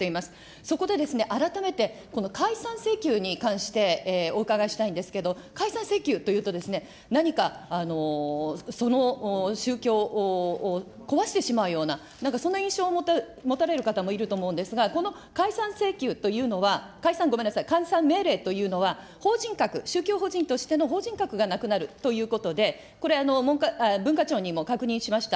そこで、改めて、この解散請求に関してお伺いしたいんですけれども、解散請求というと、何か、その宗教を壊してしまうような、なんか、そんな印象を持たれる方もいると思うんですが、この解散請求というのは、解散、ごめんなさい、解散命令というのは法人格、宗教法人としての法人格がなくなるということで、これ、文化庁にも確認しました。